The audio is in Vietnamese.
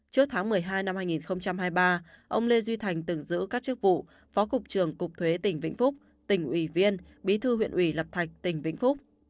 trước tháng một mươi hai năm hai nghìn hai mươi ba ông lê duy thành từng giữ các chức vụ phó cục trưởng cục thuế tỉnh vĩnh phúc tỉnh ủy viên bí thư huyện ủy lập thạch tỉnh vĩnh phúc